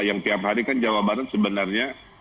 yang tiap hari kan jawabannya sebenarnya